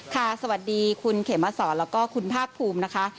สวัสดีคุณเขมสอนแล้วก็คุณภาคภูมินะคะ